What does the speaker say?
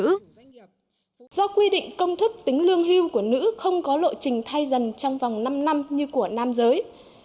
do quy định công thức tính lương hưu của nữ không có lộ trình thay dần trong vòng năm năm như của nam giới